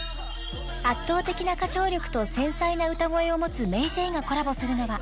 ［圧倒的な歌唱力と繊細な歌声を持つＭａｙＪ．がコラボするのは］